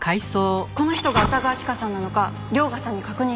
この人が歌川チカさんなのか涼牙さんに確認したんです。